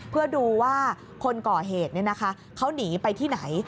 เพื่อดูว่าคนก่อเหตุเขาหนีไปที่ไหน